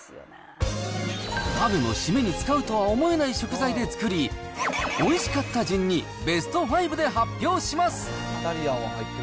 鍋の締めに使うとは思えない食材で作り、おいしかった順にベスト５で発表します。